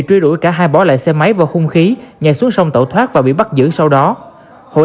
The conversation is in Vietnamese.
cáo đã hai bỏ lại xe máy vào khung khí nhảy xuống sông tẩu thoát và bị bắt giữ sau đó hội